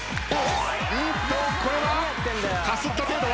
うんっとこれはかすった程度。